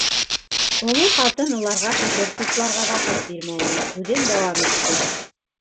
Оло ҡатын уларға фекер тупларға ваҡыт бирмәне, һүҙен дауам итте.